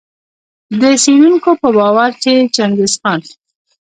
د څېړونکو په باور چي چنګیز خان